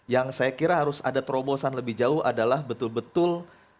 yang saya kira harus ada terobosan lebih jauh adalah betul betul